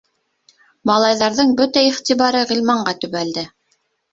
Малайҙарҙың бөтә иғтибары Ғилманға төбәлде.